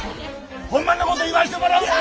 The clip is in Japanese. ホンマのこと言わしてもらうで！